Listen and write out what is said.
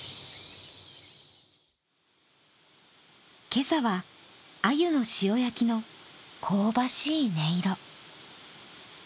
今朝はあゆの塩焼きの香ばしい音色。